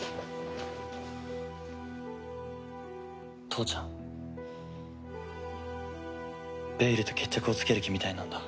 父ちゃんベイルと決着をつける気みたいなんだ。